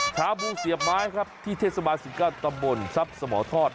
ชาบูเสียบไม้ครับที่เทศบาล๑๙ตำบลทรัพย์สมทอด